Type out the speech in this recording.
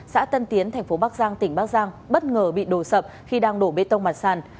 xã tân tiến thành phố bắc giang tỉnh bắc giang bất ngờ bị đổ sập khi đang đổ bê tông mặt sàn